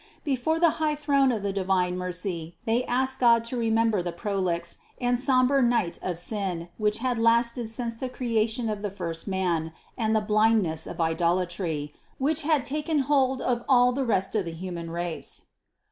Before the high throne of the di vine mercy they asked God to remember the prolix and sombre night of sin which had lasted since the creation of the first man, and the blindness of idolatry, which had taken hold of all the rest of the human race.